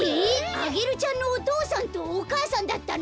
アゲルちゃんのおとうさんとおかあさんだったの！？